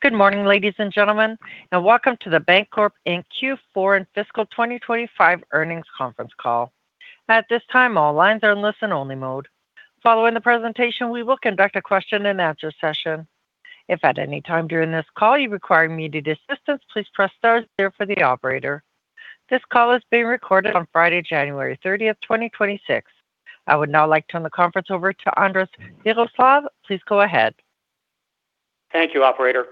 Good morning, ladies and gentlemen, and welcome to The Bancorp Q4 and fiscal 2025 earnings conference call. At this time, all lines are in listen-only mode. Following the presentation, we will conduct a question-and-answer session. If at any time during this call you require immediate assistance, please press star zero for the operator. This call is being recorded on Friday, January 30, 2026. I would now like to turn the conference over to Andres Viroslav. Please go ahead. Thank you, operator.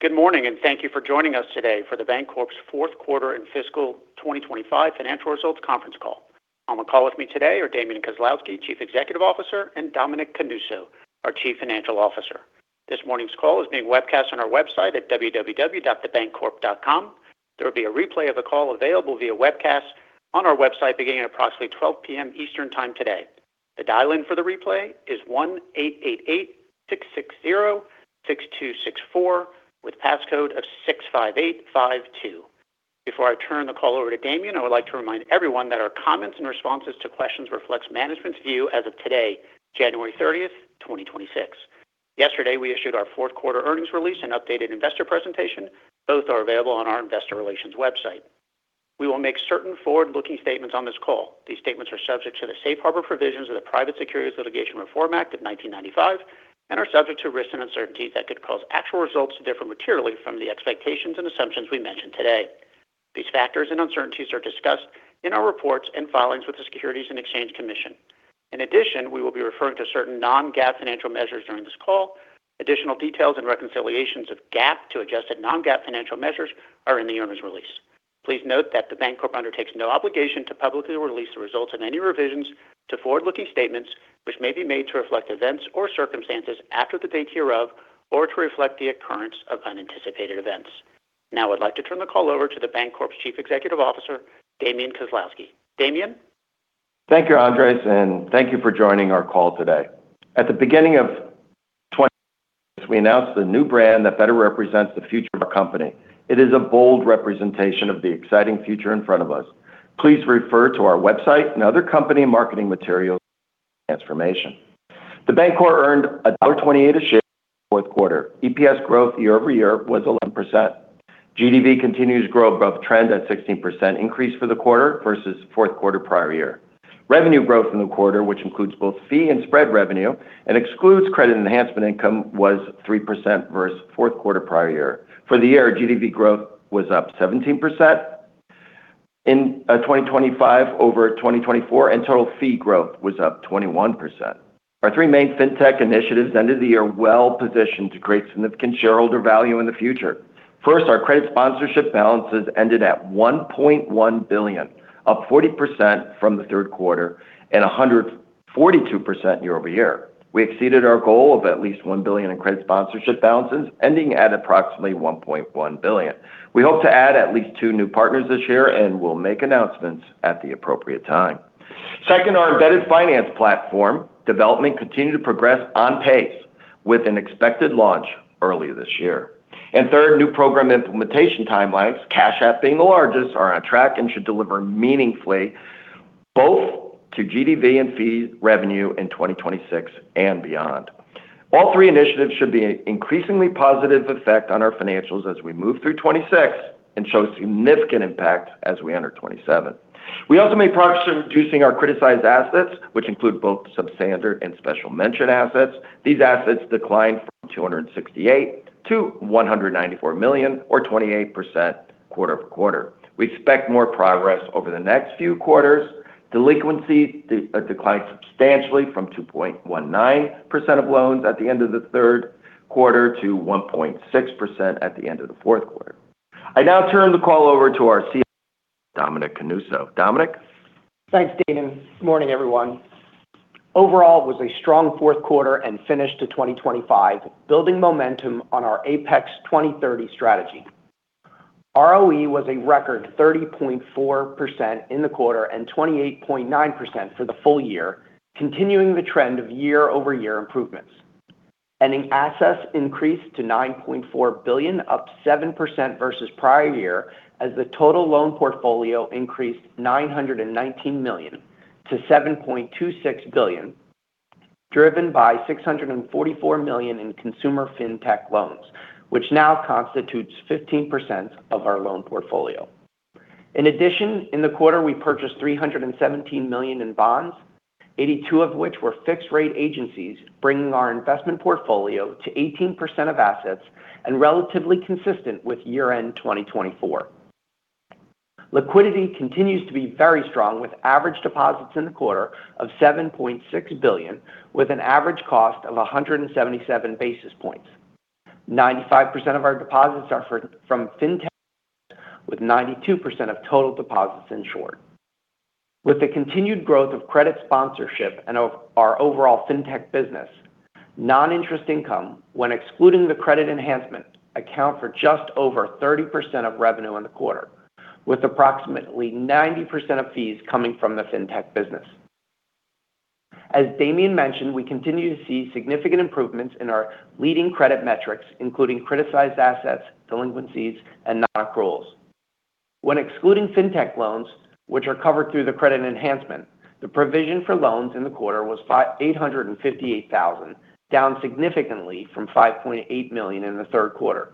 Good morning, and thank you for joining us today for The Bancorp's Q4 and fiscal 2025 financial results conference call. On the call with me today are Damian Kozlowski, Chief Executive Officer, and Dominic Canuso, our Chief Financial Officer. This morning's call is being webcast on our website at www.thebancorp.com. There will be a replay of the call available via webcast on our website, beginning at approximately 12 P.M. Eastern Time today. The dial-in for the replay is 1-888-660-6264, with passcode of 65852. Before I turn the call over to Damian, I would like to remind everyone that our comments and responses to questions reflect management's view as of today, January 30, 2026. Yesterday, we issued our Q4 earnings release and updated investor presentation. Both are available on our investor relations website. We will make certain forward-looking statements on this call. These statements are subject to the safe harbor provisions of the Private Securities Litigation Reform Act of 1995 and are subject to risks and uncertainties that could cause actual results to differ materially from the expectations and assumptions we mention today. These factors and uncertainties are discussed in our reports and filings with the Securities and Exchange Commission. In addition, we will be referring to certain non-GAAP financial measures during this call. Additional details and reconciliations of GAAP to adjusted non-GAAP financial measures are in the earnings release. Please note that The Bancorp undertakes no obligation to publicly release the results of any revisions to forward-looking statements, which may be made to reflect events or circumstances after the date hereof or to reflect the occurrence of unanticipated events. Now, I'd like to turn the call over to The Bancorp's Chief Executive Officer, Damian Kozlowski. Damian? Thank you, Andres, and thank you for joining our call today. At the beginning of 2024, we announced a new brand that better represents the future of our company. It is a bold representation of the exciting future in front of us. Please refer to our website and other company marketing materials regarding the transformation. The Bancorp earned $1.28 a share Q4. EPS growth year-over-year was 11%. GDV continues to grow above trend at 16% increase for the quarter versus Q4 prior year. Revenue growth in the quarter, which includes both fee and spread revenue and excludes credit enhancement income, was 3% versus Q4 prior year. For the year, GDV growth was up 17% in 2025 over 2024, and total fee growth was up 21%. Our three main fintech initiatives ended the year well-positioned to create significant shareholder value in the future. First, our credit sponsorship balances ended at $1.1 billion, up 40% from the Q3 and 142% year over year. We exceeded our goal of at least $1 billion in credit sponsorship balances, ending at approximately $1.1 billion. We hope to add at least two new partners this year and will make announcements at the appropriate time. Second, our embedded finance platform development continued to progress on pace with an expected launch early this year. And third, new program implementation timelines, Cash App being the largest, are on track and should deliver meaningfully both to GDV and fee revenue in 2026 and beyond. All three initiatives should be an increasingly positive effect on our financials as we move through 2026 and show significant impact as we enter 2027. We also made progress in reducing our criticized assets, which include both substandard and special mention assets. These assets declined from $268 million to $194 million or 28% quarter-over-quarter. We expect more progress over the next few quarters. Delinquency declined substantially from 2.19% of loans at the end of the Q3 to 1.6% at the end of the Q4. I now turn the call over to our CEO, Dominic Canuso. Dominic? Thanks, Damian. Good morning, everyone. Overall, it was a strong Q4 and finish to 2025, building momentum on our Apex 2030 strategy. ROE was a record 30.4% in the quarter and 28.9% for the full year, continuing the trend of year-over-year improvements. Ending assets increased to $9.4 billion, up 7% versus prior year, as the total loan portfolio increased $919 million to $7.26 billion, driven by $644 million in consumer fintech loans, which now constitutes 15% of our loan portfolio. In addition, in the quarter, we purchased $317 million in bonds, $82 million of which were fixed-rate agencies, bringing our investment portfolio to 18% of assets and relatively consistent with year-end 2024. Liquidity continues to be very strong, with average deposits in the quarter of $7.6 billion, with an average cost of 177 basis points. 95% of our deposits are from fintech, with 92% of total deposits insured. With the continued growth of credit sponsorship and our overall fintech business, non-interest income, when excluding the credit enhancement, account for just over 30% of revenue in the quarter, with approximately 90% of fees coming from the fintech business. As Damian mentioned, we continue to see significant improvements in our leading credit metrics, including criticized assets, delinquencies, and non-accruals. ...When excluding fintech loans, which are covered through the credit enhancement, the provision for loans in the quarter was $558,000, down significantly from $5.8 million in the Q3.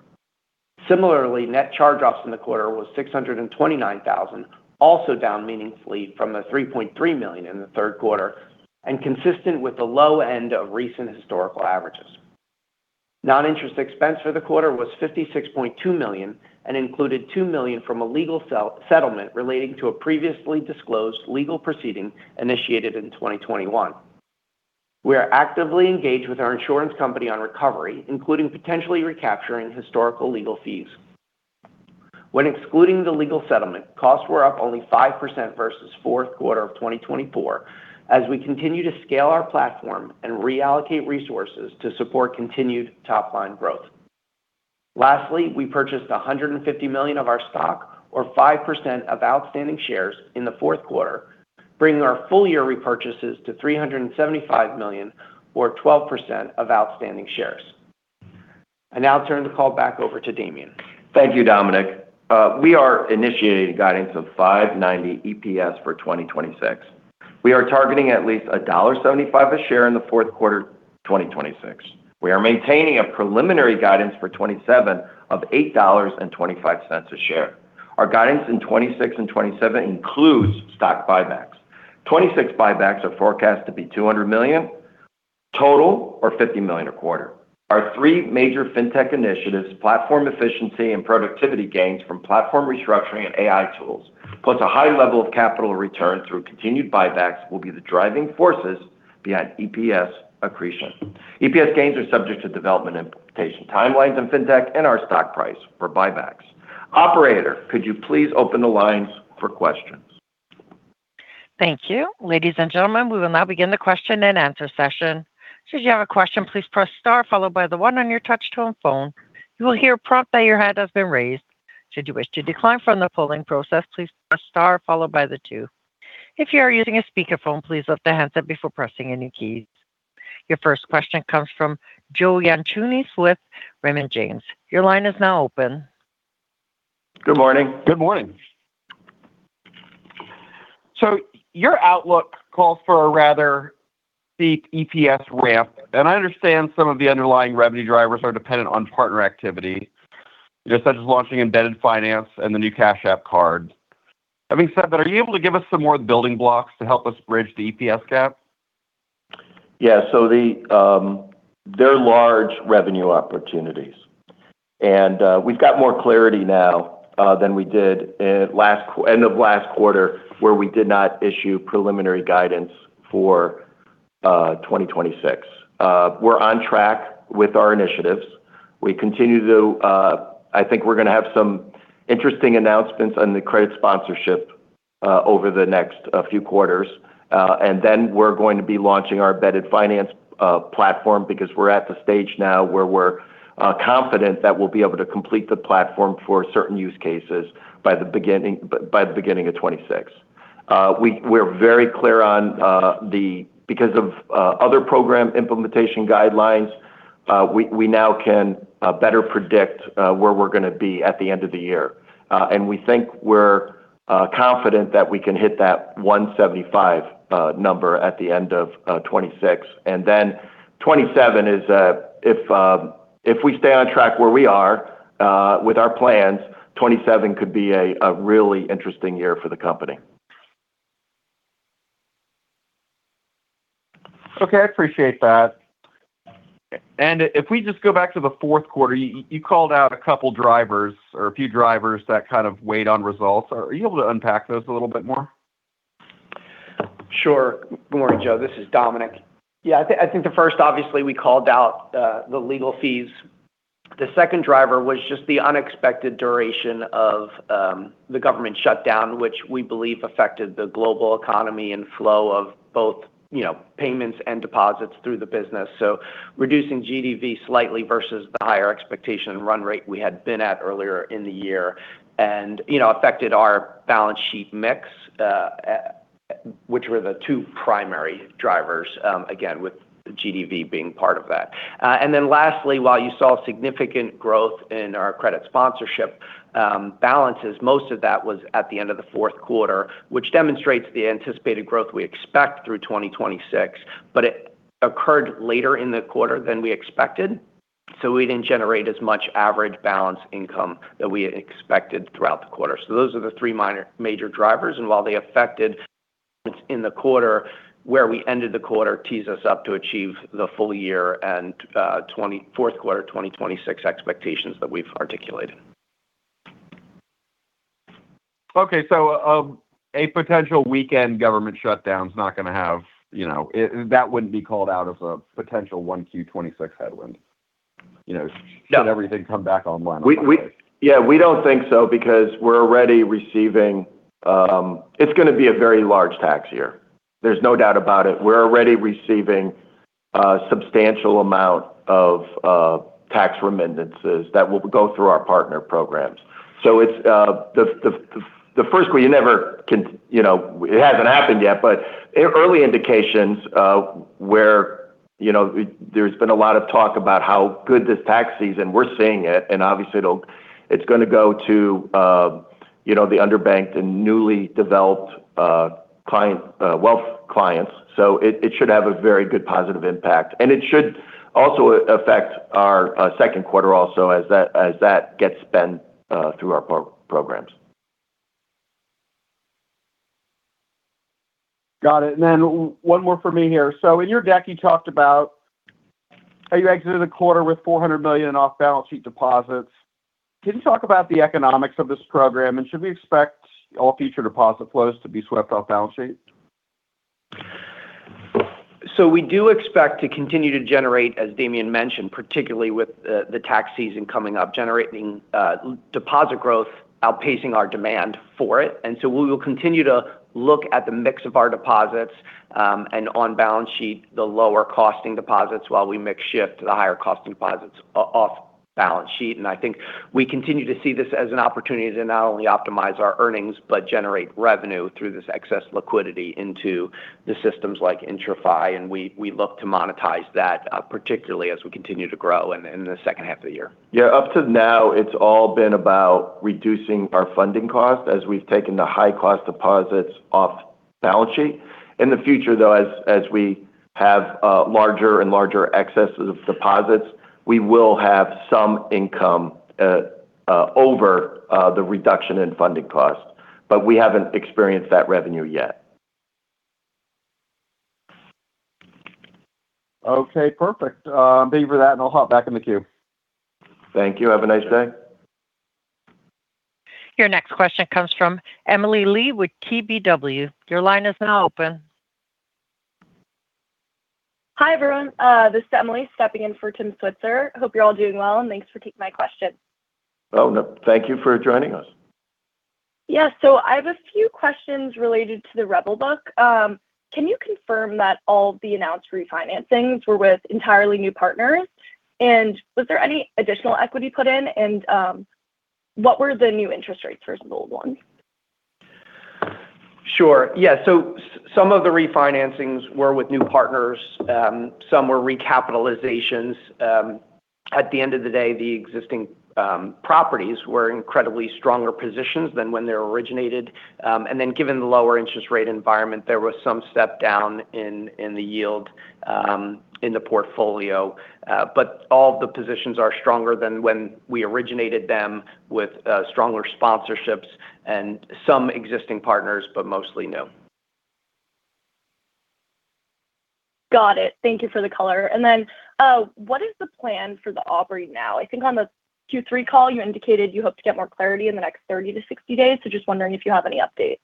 Similarly, net charge-offs in the quarter was $629,000, also down meaningfully from the $3.3 million in the Q3, and consistent with the low end of recent historical averages. Non-interest expense for the quarter was $56.2 million, and included $2 million from a legal settlement relating to a previously disclosed legal proceeding initiated in 2021. We are actively engaged with our insurance company on recovery, including potentially recapturing historical legal fees. When excluding the legal settlement, costs were up only 5% versus Q4 of 2024, as we continue to scale our platform and reallocate resources to support continued top-line growth. Lastly, we purchased $150 million of our stock, or 5% of outstanding shares in the Q4, bringing our full-year repurchases to $375 million, or 12% of outstanding shares. I now turn the call back over to Damian. Thank you, Dominic. We are initiating guidance of $5.90 EPS for 2026. We are targeting at least $1.75 a share in the Q4 2026. We are maintaining a preliminary guidance for 2027 of $8.25 a share. Our guidance in 2026 and 2027 includes stock buybacks. 2026 buybacks are forecast to be $200 million total, or $50 million a quarter. Our three major fintech initiatives, platform efficiency and productivity gains from platform restructuring and AI tools, plus a high level of capital return through continued buybacks, will be the driving forces behind EPS accretion. EPS gains are subject to development implementation, timelines in fintech, and our stock price for buybacks. Operator, could you please open the lines for questions? Thank you. Ladies and gentlemen, we will now begin the question-and-answer session. Should you have a question, please press star followed by the one on your touch-tone phone. You will hear a prompt that your hand has been raised. Should you wish to decline from the polling process, please press star followed by the two. If you are using a speakerphone, please lift the handset before pressing any keys. Your first question comes from Joe Yanchunis with Raymond James. Your line is now open. Good morning. Good morning. So your outlook calls for a rather steep EPS ramp, and I understand some of the underlying revenue drivers are dependent on partner activity, just such as launching embedded finance and the new Cash App card. Having said that, are you able to give us some more building blocks to help us bridge the EPS gap? Yeah, so they're large revenue opportunities, and we've got more clarity now than we did at the end of last quarter, where we did not issue preliminary guidance for 2026. We're on track with our initiatives. We continue to, I think we're going to have some interesting announcements on the credit sponsorship over the next few quarters. And then we're going to be launching our embedded finance platform, because we're at the stage now where we're confident that we'll be able to complete the platform for certain use cases by the beginning of 2026. We're very clear on the, because of other program implementation guidelines, we now can better predict where we're going to be at the end of the year. And we think we're confident that we can hit that $1.75 number at the end of 2026. And then 2027 is, if, if we stay on track where we are, with our plans, 2027 could be a, a really interesting year for the company. Okay, I appreciate that. And if we just go back to the Q4, you called out a couple drivers or a few drivers that kind of weighed on results. Are you able to unpack those a little bit more? Sure. Good morning, Joe. This is Dominic. Yeah, I think, I think the first, obviously, we called out, the legal fees. The second driver was just the unexpected duration of, the government shutdown, which we believe affected the global economy and flow of both, you know, payments and deposits through the business. So reducing GDV slightly versus the higher expectation run rate we had been at earlier in the year, and, you know, affected our balance sheet mix, which were the two primary drivers, again, with the GDV being part of that. And then lastly, while you saw significant growth in our credit sponsorship balances, most of that was at the end of the Q4, which demonstrates the anticipated growth we expect through 2026, but it occurred later in the quarter than we expected, so we didn't generate as much average balance income that we had expected throughout the quarter. So those are the three major drivers, and while they affected in the quarter, where we ended the quarter, tees us up to achieve the full year and Q4 2026 expectations that we've articulated. Okay, so, a potential weekend government shutdown is not going to have, you know, that wouldn't be called out as a potential 1Q 2026 headwind. You know- No Should everything come back online? Yeah, we don't think so because we're already receiving. It's going to be a very large tax year. There's no doubt about it. We're already receiving a substantial amount of tax remittances that will go through our partner programs. So it's the first thing, you never can—you know, it hasn't happened yet, but early indications. You know, there's been a lot of talk about how good this tax season. We're seeing it, and obviously, it'll—it's gonna go to, you know, the underbanked and newly developed client wealth clients. So it should have a very good positive impact. And it should also affect our Q2 also, as that gets spent through our programs. Got it. And then one more for me here. So in your deck, you talked about how you exited the quarter with $400 million off-balance sheet deposits. Can you talk about the economics of this program? And should we expect all future deposit flows to be swept off balance sheet? So we do expect to continue to generate, as Damian mentioned, particularly with the tax season coming up, generating deposit growth, outpacing our demand for it. And so we will continue to look at the mix of our deposits, and on balance sheet, the lower-costing deposits, while we mix shift to the higher-costing deposits off balance sheet. And I think we continue to see this as an opportunity to not only optimize our earnings but generate revenue through this excess liquidity into the systems like IntraFi, and we look to monetize that, particularly as we continue to grow in the second half of the year. Yeah, up to now, it's all been about reducing our funding cost as we've taken the high-cost deposits off balance sheet. In the future, though, as, as we have larger and larger excesses of deposits, we will have some income over the reduction in funding costs. But we haven't experienced that revenue yet. Okay, perfect. Thank you for that, and I'll hop back in the queue. Thank you. Have a nice day. Your next question comes from Emily Lee with KBW. Your line is now open. Hi, everyone. This is Emily stepping in for Tim Switzer. I hope you're all doing well, and thanks for taking my question. Well, no, thank you for joining us. Yeah. So I have a few questions related to the REBL book. Can you confirm that all the announced refinancings were with entirely new partners? And was there any additional equity put in? And, what were the new interest rates versus the old ones? Sure. Yeah, so some of the refinancings were with new partners, some were recapitalizations. At the end of the day, the existing properties were incredibly stronger positions than when they were originated. And then, given the lower interest rate environment, there was some step down in the yield in the portfolio. But all the positions are stronger than when we originated them with stronger sponsorships and some existing partners, but mostly new. Got it. Thank you for the color. And then, what is the plan for The Audrey now? I think on the Q3 call, you indicated you hope to get more clarity in the next 30-60 days. So just wondering if you have any update.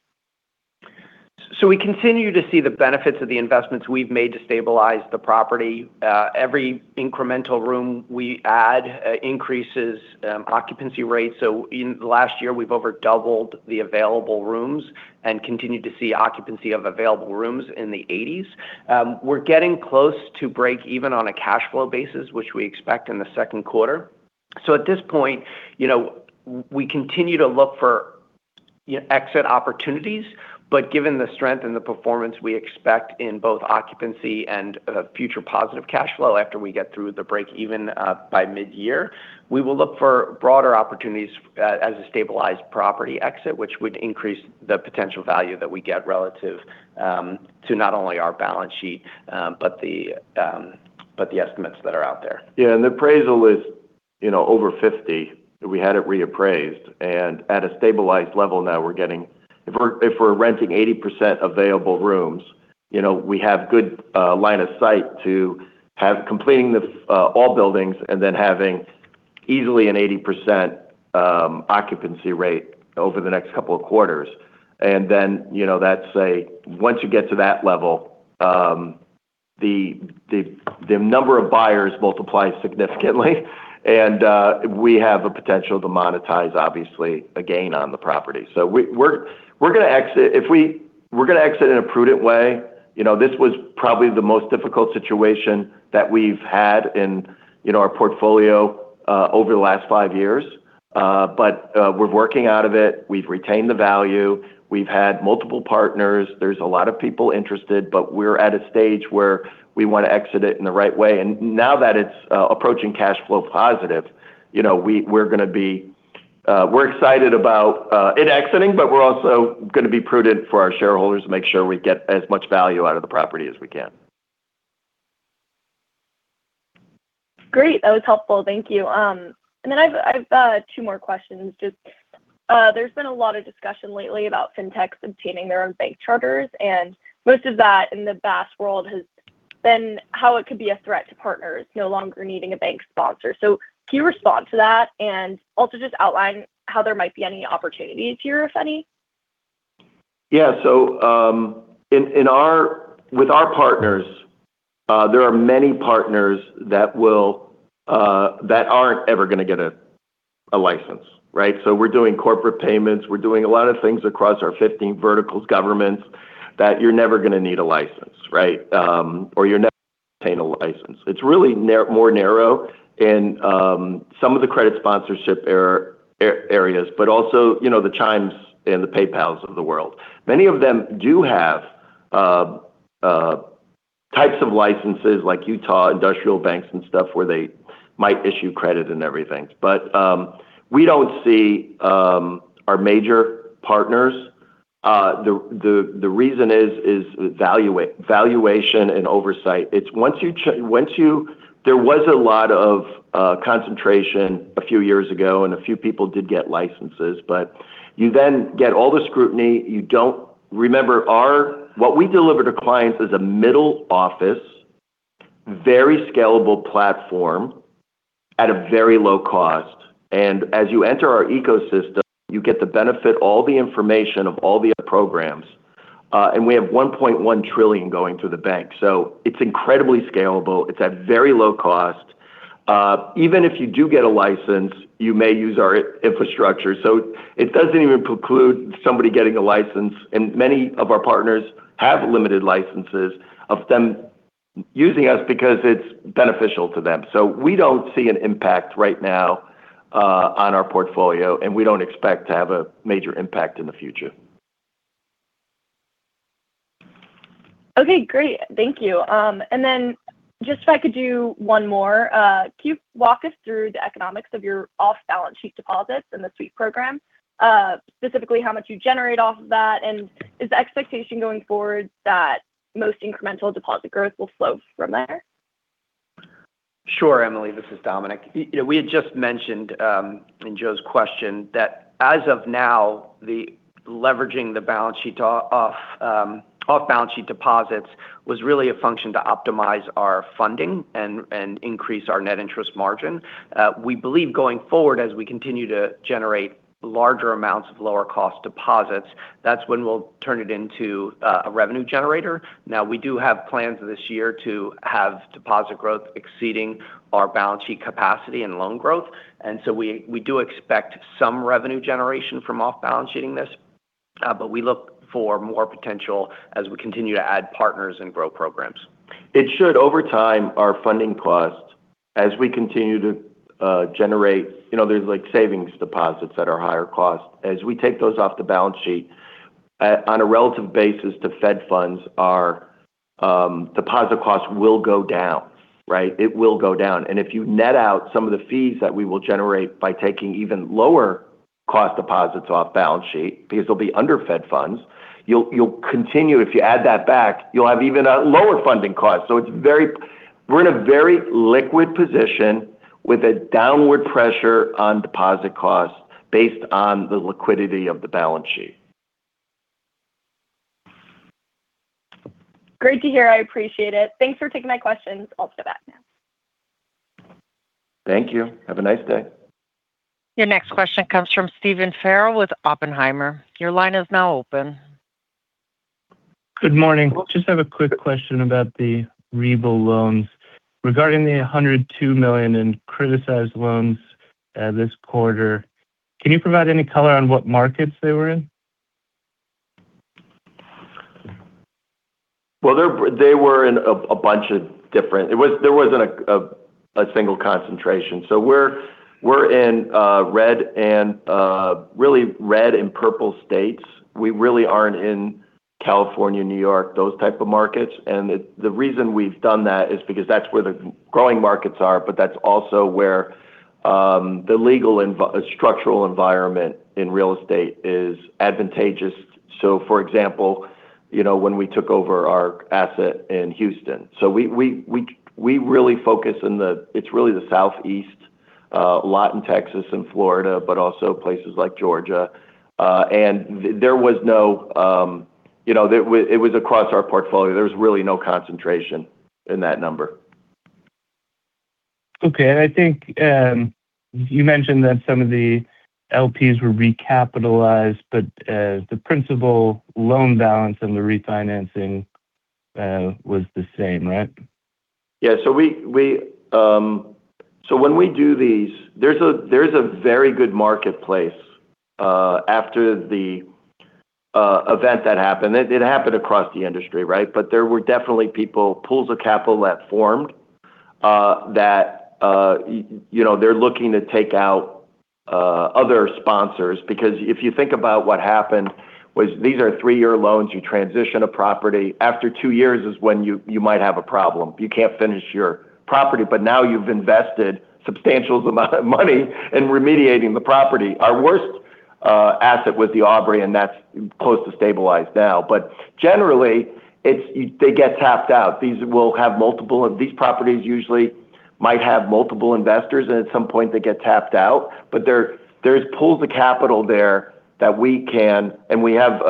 So we continue to see the benefits of the investments we've made to stabilize the property. Every incremental room we add increases occupancy rates. So in the last year, we've over doubled the available rooms and continued to see occupancy of available rooms in the eighties. We're getting close to break even on a cash flow basis, which we expect in the Q2. At this point, you know, we continue to look for exit opportunities, but given the strength and the performance we expect in both occupancy and future positive cash flow after we get through the break even by midyear, we will look for broader opportunities as a stabilized property exit, which would increase the potential value that we get relative to not only our balance sheet, but the estimates that are out there. Yeah, and the appraisal is, you know, over $50. We had it reappraised, and at a stabilized level now, we're getting—if we're renting 80% available rooms, you know, we have good line of sight to completing all buildings and then having easily an 80% occupancy rate over the next couple of quarters. And then, you know, that's once you get to that level, the number of buyers multiplies significantly, and we have a potential to monetize, obviously, a gain on the property. So we're, we're gonna exit. We're gonna exit in a prudent way. You know, this was probably the most difficult situation that we've had in, you know, our portfolio over the last 5 years. But we're working out of it. We've retained the value. We've had multiple partners. There's a lot of people interested, but we're at a stage where we want to exit it in the right way. And now that it's approaching cash flow positive, you know, we're gonna be... We're excited about it exiting, but we're also gonna be prudent for our shareholders to make sure we get as much value out of the property as we can. Great. That was helpful. Thank you. And then I've two more questions. Just, there's been a lot of discussion lately about fintechs obtaining their own bank charters, and most of that in the past world has been how it could be a threat to partners no longer needing a bank sponsor. So can you respond to that? And also just outline how there might be any opportunities here, if any. Yeah. So, in with our partners, there are many partners that will that aren't ever gonna get a license, right? So we're doing corporate payments. We're doing a lot of things across our 15 verticals governments, that you're never gonna need a license, right? Or you're never obtain a license. It's really more narrow in some of the credit sponsorship areas, but also, you know, the Chime and the PayPal of the world. Many of them do have types of licenses like Utah industrial banks and stuff, where they might issue credit and everything. But we don't see our major partners. The reason is valuation and oversight. There was a lot of concentration a few years ago, and a few people did get licenses, but you then get all the scrutiny. Remember, what we deliver to clients is a middle office, very scalable platform at a very low cost. And as you enter our ecosystem, you get the benefit, all the information of all the other programs. And we have $1.1 trillion going through the bank. So it's incredibly scalable. It's at very low cost. Even if you do get a license, you may use our infrastructure, so it doesn't even preclude somebody getting a license. And many of our partners have limited licenses of them using us because it's beneficial to them. So we don't see an impact right now on our portfolio, and we don't expect to have a major impact in the future. Okay, great. Thank you. And then just if I could do one more. Can you walk us through the economics of your off-balance sheet deposits and the sweep program? Specifically, how much you generate off of that, and is the expectation going forward that most incremental deposit growth will flow from there? Sure, Emily. This is Dominic. You know, we had just mentioned in Joe's question that as of now, the leveraging the balance sheet off-balance sheet deposits was really a function to optimize our funding and, and increase our net interest margin. We believe going forward, as we continue to generate larger amounts of lower-cost deposits, that's when we'll turn it into a revenue generator. Now, we do have plans this year to have deposit growth exceeding our balance sheet capacity and loan growth, and so we do expect some revenue generation from off-balance sheet this, but we look for more potential as we continue to add partners and grow programs. It should, over time, our funding costs, as we continue to generate. You know, there's, like, savings deposits that are higher cost. As we take those off the balance sheet, on a relative basis to Fed funds, our deposit costs will go down, right? It will go down. And if you net out some of the fees that we will generate by taking even lower cost deposits off balance sheet, these will be under Fed funds. You'll continue, if you add that back, you'll have even a lower funding cost. So we're in a very liquid position with a downward pressure on deposit costs based on the liquidity of the balance sheet. Great to hear. I appreciate it. Thanks for taking my questions. I'll step back now. Thank you. Have a nice day. Your next question comes from Stephen Farrell with Oppenheimer. Your line is now open. Good morning. Just have a quick question about the REBL loans. Regarding the $102 million in criticized loans this quarter, can you provide any color on what markets they were in? Well, they were in a bunch of different. It was. There wasn't a single concentration. So we're in red and really red and purple states. We really aren't in California, New York, those type of markets. And it. The reason we've done that is because that's where the growing markets are, but that's also where the legal structural environment in real estate is advantageous. So for example, you know, when we took over our asset in Houston. So we really focus in the. It's really the southeast, a lot in Texas and Florida, but also places like Georgia. And there was no, you know, there it was across our portfolio. There was really no concentration in that number. Okay. And I think, you mentioned that some of the LPs were recapitalized, but, the principal loan balance and the refinancing, was the same, right? Yeah. So when we do these, there's a very good marketplace. After the event that happened, it happened across the industry, right? But there were definitely people, pools of capital that formed, you know, they're looking to take out other sponsors. Because if you think about what happened, was these are three-year loans. You transition a property. After two years is when you might have a problem. You can't finish your property, but now you've invested substantial amount of money in remediating the property. Our worst asset was The Audrey, and that's close to stabilized now. But generally, it's they get tapped out. These properties usually might have multiple investors, and at some point, they get tapped out. But there, there's pools of capital there that we can and we have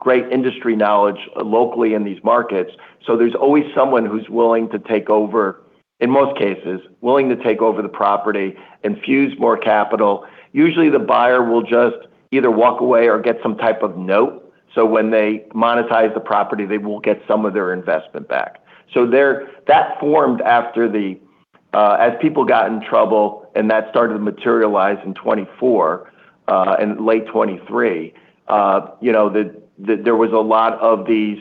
great industry knowledge locally in these markets, so there's always someone who's willing to take over, in most cases, willing to take over the property, infuse more capital. Usually, the buyer will just either walk away or get some type of note, so when they monetize the property, they will get some of their investment back. So there, that formed after the, as people got in trouble, and that started to materialize in 2024 and late 2023. You know, there was a lot of these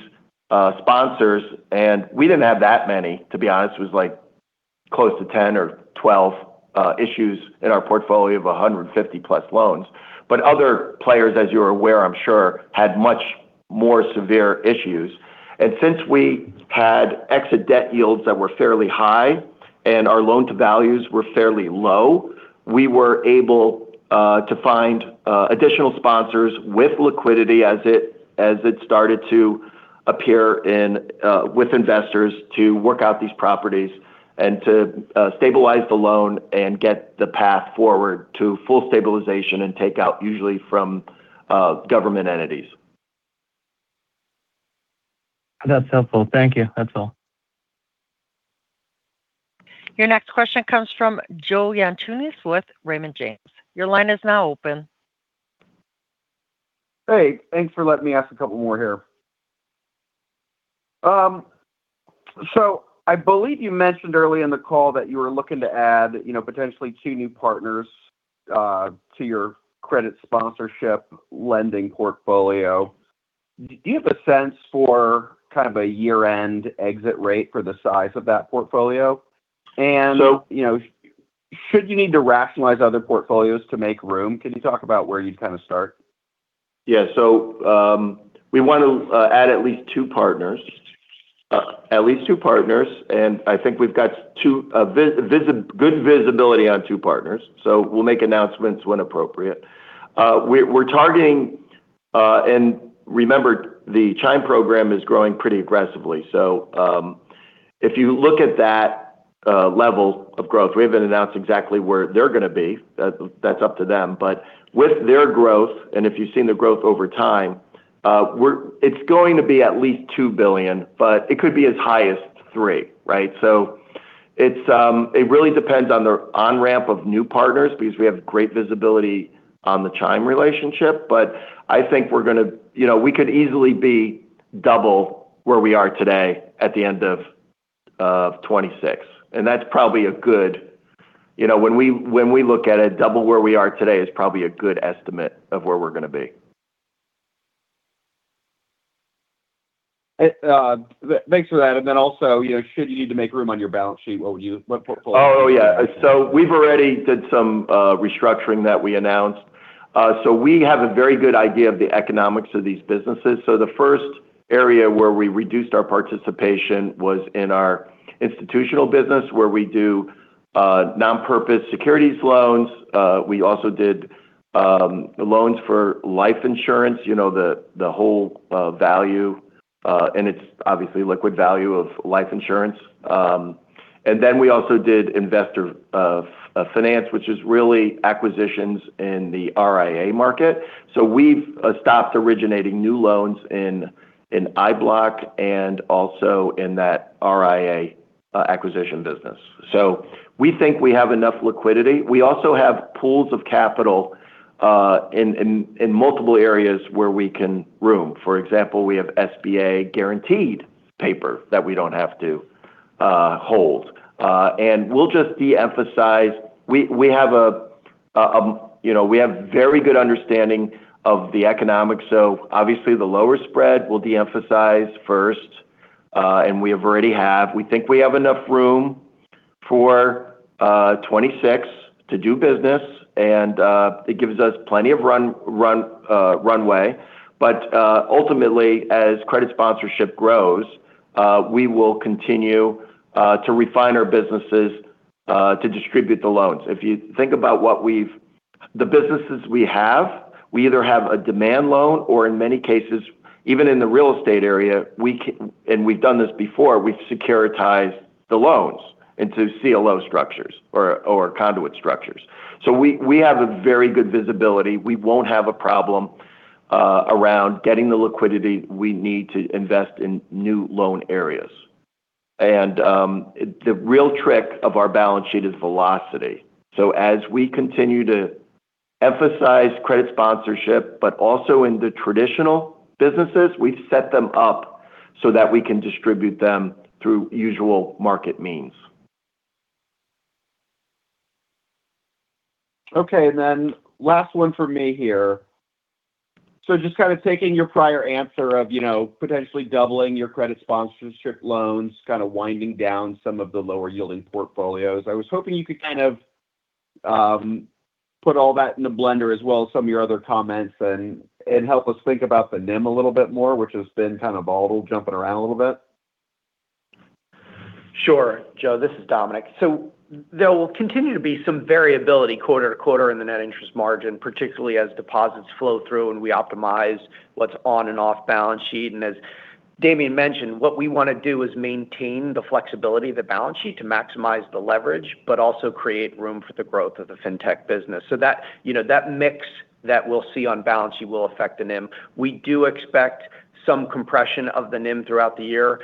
sponsors, and we didn't have that many, to be honest. It was close to 10 or 12 issues in our portfolio of 150+ loans. But other players, as you're aware, I'm sure, had much more severe issues. And since we had exit debt yields that were fairly high and our loan-to-values were fairly low, we were able to find additional sponsors with liquidity as it started to appear in with investors to work out these properties and to stabilize the loan and get the path forward to full stabilization and take out usually from government entities. That's helpful. Thank you. That's all. Your next question comes from Joe Yanchunis with Raymond James. Your line is now open. Hey, thanks for letting me ask a couple more here. So I believe you mentioned earlier in the call that you were looking to add, you know, potentially two new partners to your credit sponsorship lending portfolio. Do you have a sense for kind of a year-end exit rate for the size of that portfolio? And- So- You know, should you need to rationalize other portfolios to make room, can you talk about where you'd kind of start? Yeah. So, we want to add at least two partners. At least two partners, and I think we've got two good visibility on two partners, so we'll make announcements when appropriate. We're targeting -- and remember, the Chime program is growing pretty aggressively. So, if you look at that level of growth, we haven't announced exactly where they're gonna be, that's up to them. But with their growth, and if you've seen the growth over time, we're-- it's going to be at least $2 billion, but it could be as high as $3 billion, right? So it's really depends on the on-ramp of new partners, because we have great visibility on the Chime relationship. But I think we're gonna... You know, we could easily be double where we are today at the end of 2026. That's probably a good, you know, when we, when we look at it, double where we are today is probably a good estimate of where we're gonna be. Thanks for that. Then also, you know, should you need to make room on your balance sheet, what would you, what portfolio- Oh, yeah. So we've already did some restructuring that we announced. So we have a very good idea of the economics of these businesses. So the first area where we reduced our participation was in our institutional business, where we do non-purpose securities loans. We also did loans for life insurance, you know, the whole value, and it's obviously liquid value of life insurance. And then we also did investor finance, which is really acquisitions in the RIA market. So we've stopped originating new loans in IBLOC and also in that RIA acquisition business. So we think we have enough liquidity. We also have pools of capital in multiple areas where we can room. For example, we have SBA-guaranteed paper that we don't have to hold. And we'll just de-emphasize. We have, you know, we have very good understanding of the economics, so obviously, the lower spread will de-emphasize first, and we already have. We think we have enough room for 2026 to do business, and it gives us plenty of runway. But ultimately, as credit sponsorship grows, we will continue to refine our businesses to distribute the loans. If you think about what we've, the businesses we have, we either have a demand loan or in many cases, even in the real estate area, we, and we've done this before, we've securitized the loans into CLO structures or conduit structures. So we have a very good visibility. We won't have a problem around getting the liquidity we need to invest in new loan areas. The real trick of our balance sheet is velocity. As we continue to emphasize credit sponsorship, but also in the traditional businesses, we've set them up so that we can distribute them through usual market means. Okay, and then last one for me here. So just kind of taking your prior answer of, you know, potentially doubling your credit sponsorship loans, kind of winding down some of the lower-yielding portfolios, I was hoping you could kind of put all that in a blender as well, some of your other comments and help us think about the NIM a little bit more, which has been kind of volatile, jumping around a little bit? Sure, Joe, this is Dominic. So there will continue to be some variability quarter to quarter in the net interest margin, particularly as deposits flow through and we optimize what's on and off balance sheet. And as Damian mentioned, what we want to do is maintain the flexibility of the balance sheet to maximize the leverage, but also create room for the growth of the fintech business. So that, you know, that mix that we'll see on balance sheet will affect the NIM. We do expect some compression of the NIM throughout the year,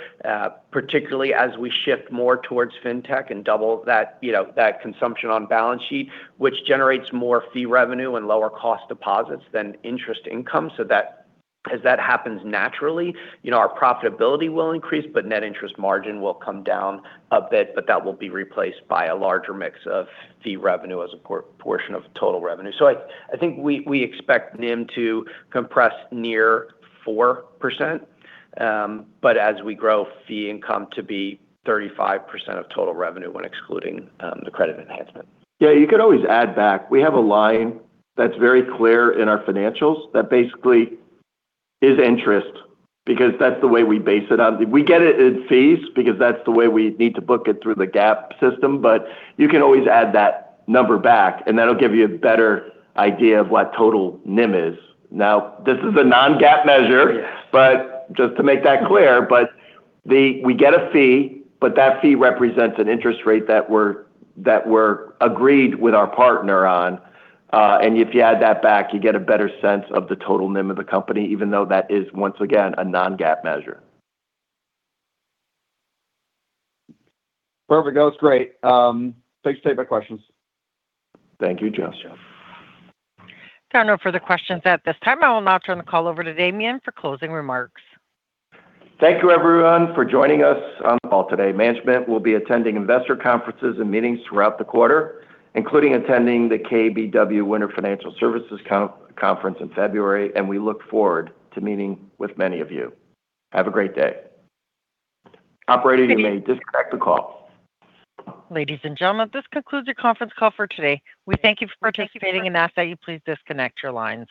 particularly as we shift more towards fintech and double that, you know, that consumption on balance sheet, which generates more fee revenue and lower cost deposits than interest income. So that, as that happens naturally, you know, our profitability will increase, but net interest margin will come down a bit, but that will be replaced by a larger mix of fee revenue as a portion of total revenue. So I think we expect NIM to compress near 4%, but as we grow fee income to be 35% of total revenue when excluding the credit enhancement. Yeah, you could always add back. We have a line that's very clear in our financials that basically is interest, because that's the way we base it on. We get it in fees because that's the way we need to book it through the GAAP system, but you can always add that number back, and that'll give you a better idea of what total NIM is. Now, this is a non-GAAP measure- Yes... but just to make that clear, but we get a fee, but that fee represents an interest rate that we're, that we're agreed with our partner on. And if you add that back, you get a better sense of the total NIM of the company, even though that is, once again, a non-GAAP measure. Perfect. That was great. Thanks for taking my questions. Thank you, Joe. There are no further questions at this time. I will now turn the call over to Damian for closing remarks. Thank you, everyone, for joining us on the call today. Management will be attending investor conferences and meetings throughout the quarter, including attending the KBW Winter Financial Services Conference in February, and we look forward to meeting with many of you. Have a great day. Operator, you may disconnect the call. Ladies and gentlemen, this concludes your conference call for today. We thank you for participating and ask that you please disconnect your lines.